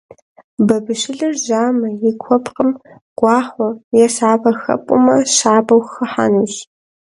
Бабыщылыр жьамэ, и куэпкъым гуахъуэ е сапэ хэпӀумэ щабэу хыхьэнущ.